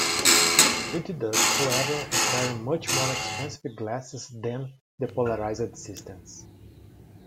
It does, however, require much more expensive glasses than the polarized systems.